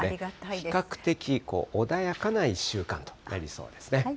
比較的穏やかな１週間となりそうですね。